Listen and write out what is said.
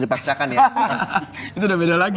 dipaksakan ya itu udah beda lagi